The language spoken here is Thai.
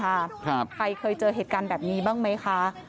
ใครเคยเจอเหตุการณ์แบบนี้บ้างไหมคะ